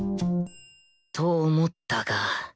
と思ったが